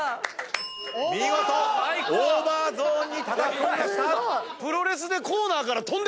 見事オーバーゾーンにたたき込みました！